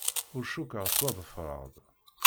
Ur cukkeɣ ttwaḍefreɣ-d.